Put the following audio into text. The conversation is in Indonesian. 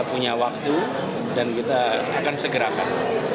punya waktu dan kita akan segerakan